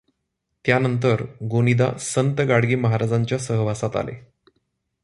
त्यानंतर गोनीदा संत गाडगे महाराजांच्या सहवासात आले.